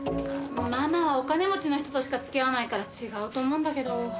ママはお金持ちの人としか付き合わないから違うと思うんだけど。